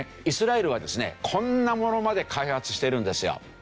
イスラエルはですねこんなものまで開発してるんですよ。